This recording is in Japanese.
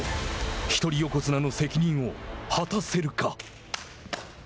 一人横綱の責任を果たせるか。